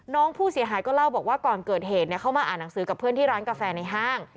น้องผู้เสียหายก็เล่าบอกว่าก่อนเกิดเหตุเข้ามาอ่านหนังสือกับเพื่อนที่ร้านกาแฟในห้าง